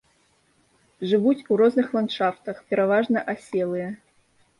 Жывуць у розных ландшафтах, пераважна аселыя.